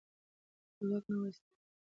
د واک ناوړه استعمال اعتماد له منځه وړي